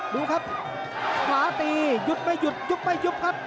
ดูครับขวาตีหยุดไม่หยุดยุบไม่ยุบครับ